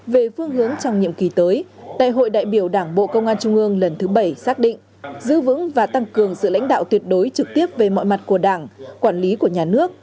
về phương hướng trong nhiệm kỳ tới đại hội đại biểu đảng bộ công an trung ương lần thứ bảy xác định giữ vững và tăng cường sự lãnh đạo tuyệt đối trực tiếp về mọi mặt của đảng quản lý của nhà nước